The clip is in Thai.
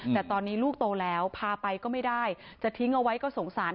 แต่ตอนนี้ลูกโตแล้วพาไปก็ไม่ได้จะทิ้งเอาไว้ก็สงสาร